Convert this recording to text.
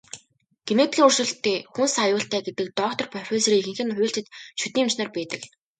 Генетикийн өөрчлөлттэй хүнс аюултай гэдэг доктор, профессорын ихэнх нь хуульчид, шүдний эмч нар байдаг.